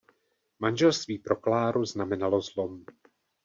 Manželství pro Kláru znamenalo zlom.